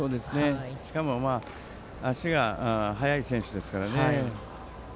しかも足が速い選手ですからね。